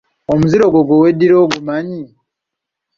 Omuziro gwo gwe weddira ogumanyi?